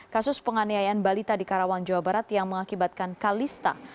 kasus penganiayaan balita di karawang jawa barat yang mengakibatkan kalista